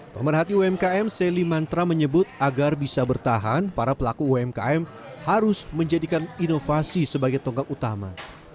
pemerhati umkm selly mantra menyebut agar bisa bertahan para pelaku umkm harus menjadikan inovasi sebagai tonggak utama